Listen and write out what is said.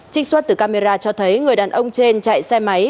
trích xuất từ camera cho thấy người đàn ông trên chạy xe máy